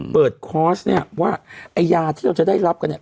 คอร์สเนี่ยว่าไอ้ยาที่เราจะได้รับกันเนี่ย